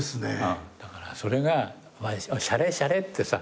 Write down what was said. だからそれがしゃれしゃれってさ。